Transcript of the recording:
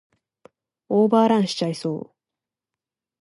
オーバーランしちゃいそう